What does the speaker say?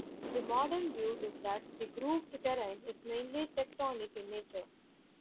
The modern view is that the grooved terrain is mainly tectonic in nature.